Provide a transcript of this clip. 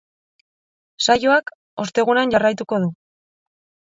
Saioak ostegunean jarraituko du.